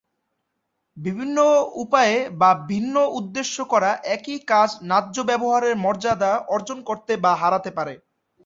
বিভিন্ন উপায়ে বা ভিন্ন উদ্দেশ্যে করা একই কাজ ন্যায্য ব্যবহারের মর্যাদা অর্জন করতে বা হারাতে পারে।